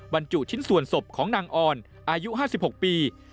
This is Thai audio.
บรรจุชิ้นส่วนศพของนางออนอายุ๕๖ปี